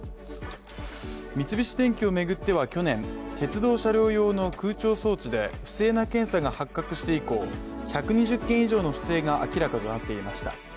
三菱電機を巡っては、去年、鉄道車両用の空調装置で不正な検査が発覚して以降１２０件以上の不正が明らかとなっていました。